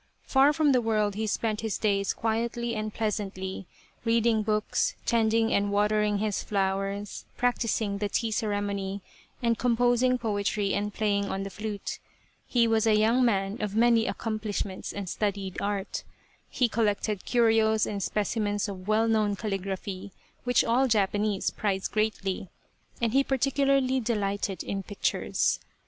Far from the world he spent his days quietly and pleasantly, reading books, tending and watering his flowers, practising the tea ceremony, and composing poetry and playing on the flute. He was a young man of many accom plishments and studied art. He collected curios and specimens of well known calligraphy, which all Japanese prize greatly, and he particularly delighted in pictures.